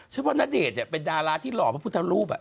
ฉันว่านเดชน์เนี่ยเป็นดาราที่หล่อพระพุทธรูปอะ